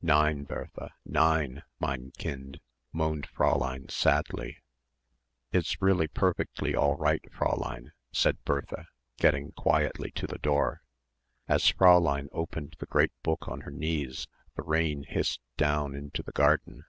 "Nein, Bertha, nein, mein kind," moaned Fräulein sadly. "It's really perfectly all right, Fräulein," said Bertha, getting quietly to the door. As Fräulein opened the great book on her knees the rain hissed down into the garden.